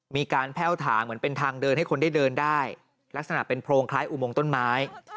มีการแพ่วถางเหมือนเป็นทางเดินให้คนได้เดินได้ลักษณะเป็นโพรงคล้ายอุโมงต้นไม้